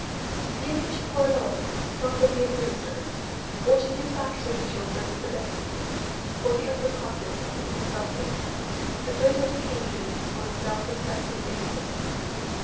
The English Poor Law, properly administered, ought to give back to the children of the destitute what the upper classes have taken from them, a good education on a self respecting basis.